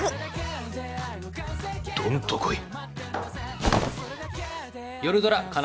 どんと来い。